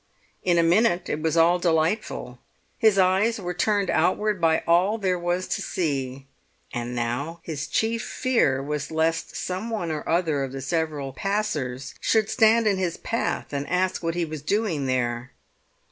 In a minute it was all delightful; his eyes were turned outward by all there was to see; and now his chief fear was lest some one or other of the several passers should stand in his path and ask what he was doing there.